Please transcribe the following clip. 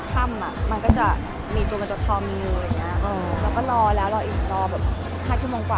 ถ้าจะมีโอกาสได้เห็นไหมคะ